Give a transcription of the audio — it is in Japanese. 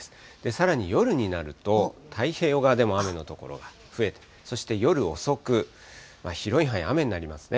さらに夜になると、太平洋側でも雨の所が増えて、そして夜遅く、広い範囲で雨になりますね。